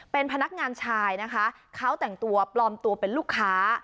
เป็นพนักงานชายนะคะเขาแต่งตัวปลอมตัวเป็นลูกค้า